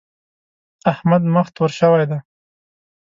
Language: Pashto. د احمد مخ تور شوی دی.